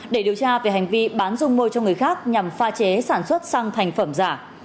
để điều tra về hành vi bán dung môi cho người khác nhằm pha chế sản xuất xăng thành phẩm giả